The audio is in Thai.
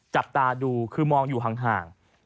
จับตาดูคือมองอยู่ห่าง